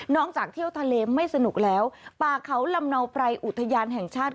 จากเที่ยวทะเลไม่สนุกแล้วป่าเขาลำเนาไพรอุทยานแห่งชาติ